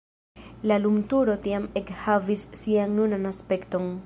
La lumturo tiam ekhavis sian nunan aspekton.